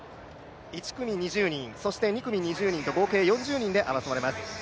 １組２０人、２組２０人の合計４０人で争われます。